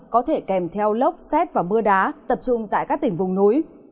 có thể kèm theo lốc xét và mưa đá tập trung tại các tỉnh vùng núi